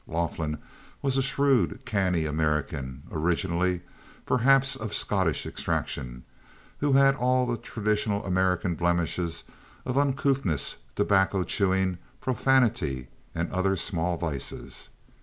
Laughlin was a shrewd, canny American, originally, perhaps, of Scotch extraction, who had all the traditional American blemishes of uncouthness, tobacco chewing, profanity, and other small vices.